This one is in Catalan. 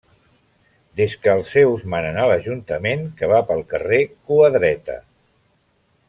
Des que els seus manen a l'Ajuntament que va pel carrer cua dreta.